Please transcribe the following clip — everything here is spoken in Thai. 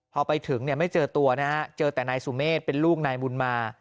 พอไปถึงเนี่ยไม่เจอตัวนะฮะเจอแต่นายสุเมฆเป็นลูกนายบุญมา